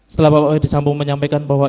setelah bapak ferdisambung menyampaikan bahwa